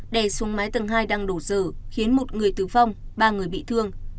đè xuống mái tầng hai đang đổ dở khiến một người tử vong ba người bị thương